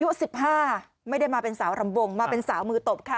อายุ๑๕ไม่ได้มาเป็นสาวรำวงมาเป็นสาวมือตบค่ะ